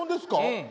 うん。